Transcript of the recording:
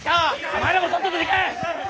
お前らもさっさと行け！